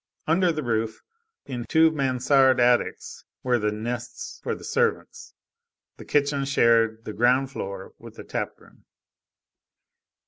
Under the roof, in two mansard attics, were the nests for the servants. The kitchen shared the ground floor with the tap room.